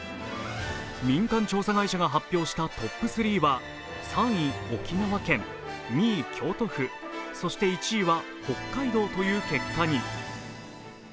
民間調査会社が発表したトップ３は３位沖縄県、２位京都府、１位は北海道という結果に。